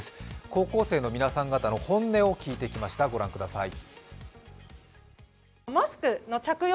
高校生の皆さん方の本音を聞いてきました、御覧ください。